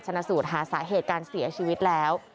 ชนะสูตรหาสาเหตุการเสียชีวิตแล้ว